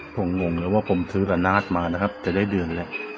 ผมงงเลยว่าผมซื้อละนาดมานะครับจะได้เดือนแล้ว